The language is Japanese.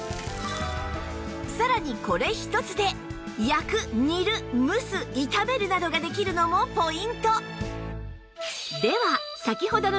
さらにこれ一つで焼く煮る蒸す炒めるなどができるのもポイント！